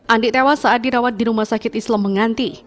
andi tewas saat dirawat di rumah sakit islam menganti